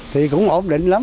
thì cũng ổn định lắm